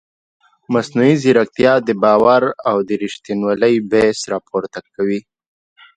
مصنوعي ځیرکتیا د باور او ریښتینولۍ بحث راپورته کوي.